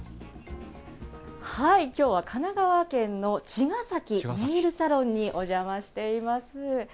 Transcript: きょうは神奈川県の茅ヶ崎、ネイルサロンにお邪魔しています。